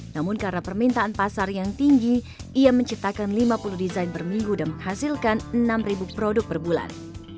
namun karena permintaan pasar yang tinggi ia menciptakan lima puluh desain per minggu dan menghasilkan enam produk per bulan